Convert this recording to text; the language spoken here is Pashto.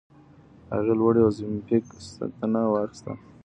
هغې لومړۍ اوزیمپیک ستنه واخیسته.